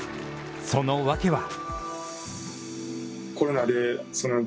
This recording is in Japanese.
その訳は。